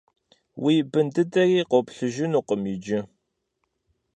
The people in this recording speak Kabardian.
Уи бын дыдэри къоплъыжынукъым иджы.